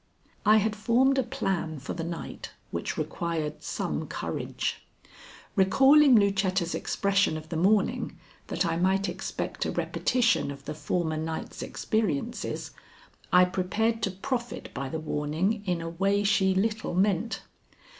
I had formed a plan for the night which required some courage. Recalling Lucetta's expression of the morning, that I might expect a repetition of the former night's experiences, I prepared to profit by the warning in a way she little meant.